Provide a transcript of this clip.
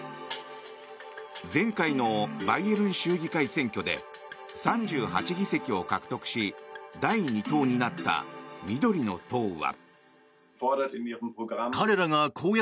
前回のバイエルン州議会選挙で３８議席を獲得し第２党になった緑の党は。